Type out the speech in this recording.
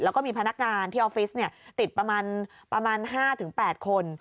แล้วก็มีพนักงานที่ออฟฟิศติดประมาณ๕๘คน